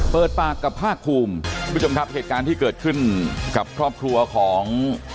เปิดปากกับภาคภูมิคุณผู้ชมครับเหตุการณ์ที่เกิดขึ้นกับครอบครัวของ